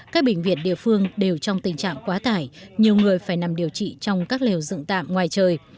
các bệnh viện địa phương đều trong tình trạng quá tải nhiều người phải nằm điều trị trong các lều dựng tạm ngoài trời